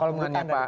ya hitungannya pak